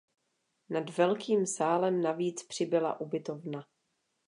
Nad velkým sálem navíc přibyla ubytovna.